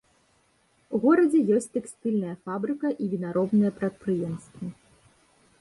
У горадзе ёсць тэкстыльная фабрыка і вінаробныя прадпрыемствы.